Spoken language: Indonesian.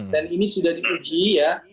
dan ini sudah diuji ya